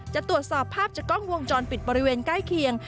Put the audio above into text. จะตรวจสอบภาพจากกล้องวงจรปิดบริเวณใกล้เคียง